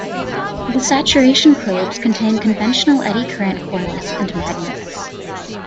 The saturation probes contain conventional eddy current coils and magnets.